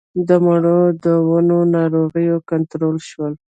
د مڼو د ونو ناروغي کنټرول شوه؟